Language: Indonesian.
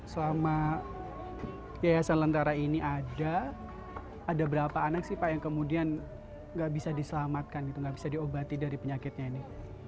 selama yayasan lentara ini ada ada berapa anak sih pak yang kemudian nggak bisa diselamatkan gitu nggak bisa diobati dari penyakitnya ini